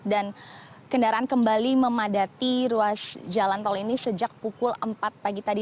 kendaraan kembali memadati ruas jalan tol ini sejak pukul empat pagi tadi